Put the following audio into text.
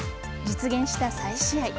実現した再試合。